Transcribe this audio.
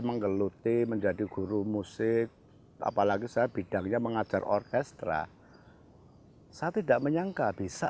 menggeluti menjadi guru musik apalagi saya bidangnya mengajar orkestra saya tidak menyangka bisa